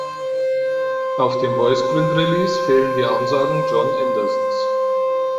Auf dem Voiceprint-Release fehlen die Ansagen Jon Andersons.